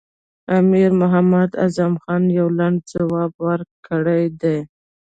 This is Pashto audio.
امیر محمد اعظم خان یو لنډ ځواب ورکړی دی.